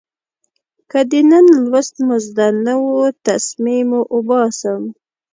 که د نن لوست مو زده نه و، تسمې مو اوباسم.